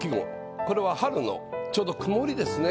これは春のちょうど曇りですね。